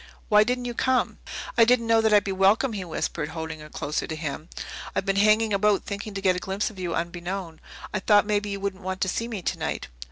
Why didn't you come?" "I didn't know that I'd be welcome," he whispered, holding her closer to him. "I've been hanging about thinking to get a glimpse of you unbeknown. I thought maybe you wouldn't want to see me tonight."